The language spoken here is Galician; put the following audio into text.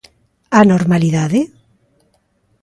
A normalidade?